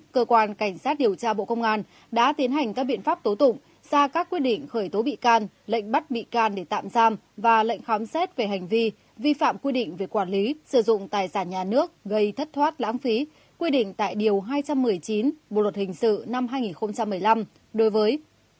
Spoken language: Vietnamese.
cơ quan cảnh sát điều tra bộ công an đã tiến hành các biện pháp tố tụng ra các quyết định khởi tố bị can lệnh bắt bị can để tạm giam và lệnh khám xét về hành vi vi phạm quy định về quản lý sử dụng tài sản nhà nước gây thất thoát lãng phí quy định tại điều hai trăm một mươi chín bộ luật hình sự năm hai nghìn một mươi năm đối với